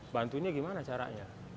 bantunya gimana caranya